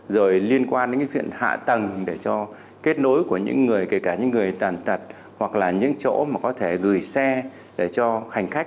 rồi liên quan đến cái chuyện hạ tầng để cho kết nối của những người kể cả những người tàn tật hoặc là những chỗ mà có thể gửi xe để cho hành khách